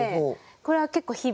これは結構日々。